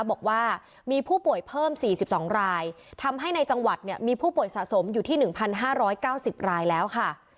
บอกว่ามีผู้ป่วยเพิ่ม๔๒รายทำให้ในจังหวัดเนี่ยมีผู้ป่วยสะสมอยู่ที่๑๕๙๐รายแล้วค่ะ